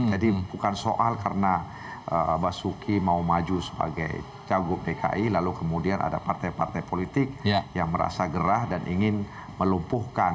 bukan soal karena basuki mau maju sebagai cagup dki lalu kemudian ada partai partai politik yang merasa gerah dan ingin melumpuhkan